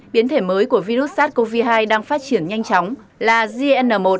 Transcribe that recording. biến thể mới của virus sars cov hai đang phát triển nhanh chóng là zn một